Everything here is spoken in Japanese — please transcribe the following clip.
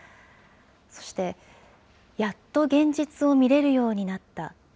そして、やっと現実を見れるようになった。